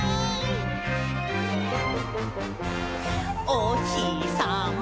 「おひさま